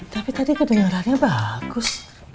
tapi tadi kedengerannya bagus